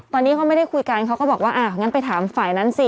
ตอนนี้เขาไม่ได้คุยกันเขาก็บอกว่าอ่ะงั้นไปถามฝ่ายนั้นสิ